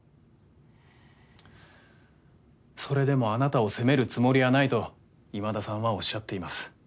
それでもあなたを責めるつもりはないと今田さんはおっしゃっています。